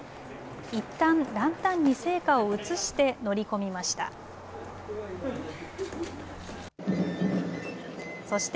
いったんランタンに聖火を移して乗り込みました。